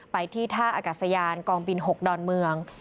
ไปที่ท่าอากาศยานกองบิน๖ดอนเมือง